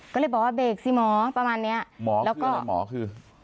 ก็เลยบอกว่าเบรกสิหมอประมาณเนี้ยหมอแล้วก็หมอคือ